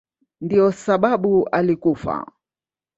Ndiyo sababu alikufa.